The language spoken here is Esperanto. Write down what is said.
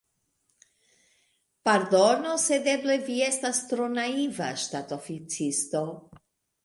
Pardonu, sed eble vi estas tro naiva ŝtatoficisto!